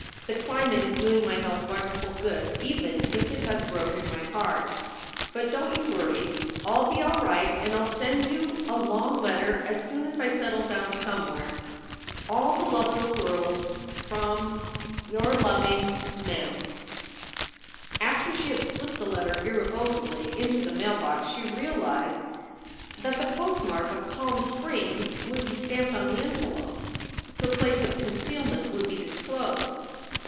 The climate is doing my health wonderful good even if it has broken my heart. But don t you worry. I ll be all right and I ll send you a long letter as soon as I settle down somewhere. All the love in the world from Your loveing MEM. After she had slipped the letter irrevocably into the mail box she realized that the postmark of Palm Springs would 156 SOULS FOR SALE be stamped on the envelope. Her place of concealment would be disclosed.